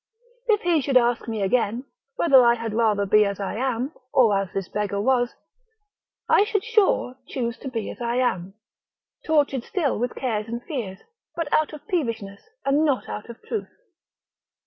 If he should ask me again, whether I had rather be as I am, or as this beggar was, I should sure choose to be as I am, tortured still with cares and fears; but out of peevishness, and not out of truth.